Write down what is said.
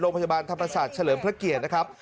โรงพยาบาลธรรมศาสตร์เฉลิมพระเกียรตินะครับ